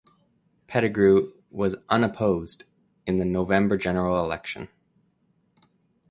Pettigrew was unopposed in the November general election.